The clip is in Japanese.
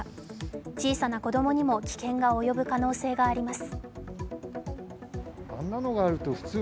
小さな子供にも危険が及ぶ可能性があります。